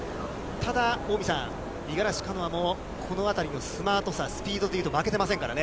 ただ近江さん、このあたりのスマートさ、スピードというと負けてませんからね。